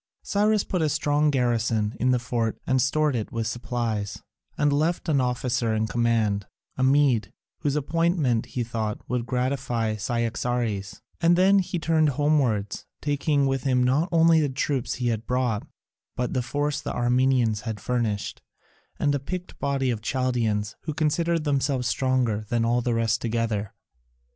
Cyrus put a strong garrison in the fort and stored it with supplies, and left an officer in command, a Mede, whose appointment, he thought, would gratify Cyaxares, and then he turned homewards, taking with him not only the troops he had brought, but the force the Armenians had furnished, and a picked body of Chaldaeans who considered themselves stronger than all the rest together.